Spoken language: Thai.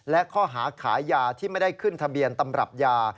และข้อหาขายยาที่ไม่ได้ขึ้นทะเบียนตำรับยา